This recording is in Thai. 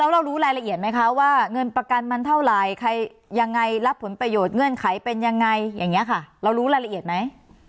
เรารู้รายละเอียดไหมคะว่าเงินประกันมันเท่าไหร่ใครยังไงรับผลประโยชน์เงื่อนไขเป็นยังไงอย่างนี้ค่ะเรารู้รายละเอียดไหม